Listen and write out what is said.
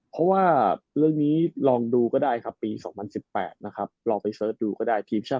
เพราะว่าเรื่องนี้ลองดูก็ได้ครับปี๒๐๑๘นะครับลองไปเสิร์ชดูก็ได้ทีมชาติ